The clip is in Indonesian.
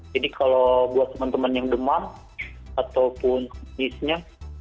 jadi kalau buat teman teman yang demam ataupun kondisinya